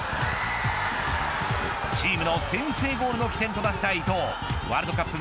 チームの先制ゴールの起点となった伊東ワールドカップ